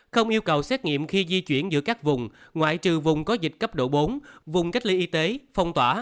không yêu cầu xét nghiệm khi di chuyển giữa các vùng ngoại trừ vùng có dịch cấp độ bốn vùng cách ly y tế phong tỏa